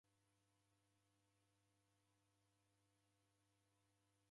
Naw'edamba law'uke